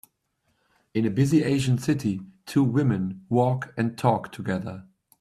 In a busy Asian city, two women walk and talk together.